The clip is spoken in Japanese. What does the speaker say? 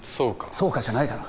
「そうか」じゃないだろう